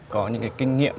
có những cái kinh nghiệm